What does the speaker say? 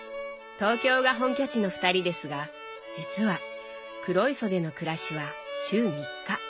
東京が本拠地の二人ですが実は黒磯での暮らしは週３日。